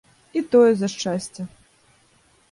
І тое за шчасце.